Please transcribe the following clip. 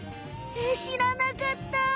えっ知らなかった！